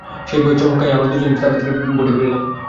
সেই ভয়ের চমক খাইয়া আমরা দুই জনেই তাড়াতাড়ি বোটে ফিরিলাম।